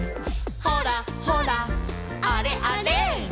「ほらほらあれあれ」